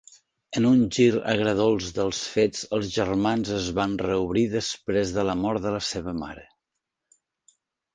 En un gir agredolç dels fets, els germans es van reobrir després de la mort de la seva mare.